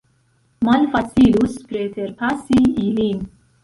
Malfacilus preterpasi ilin.